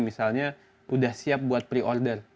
misalnya sudah siap buat pre order